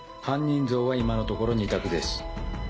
⁉犯人像は今のところ２択です。